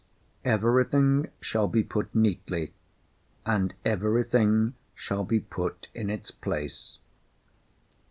Everything shall be put neatly, and everything shall be put in its place.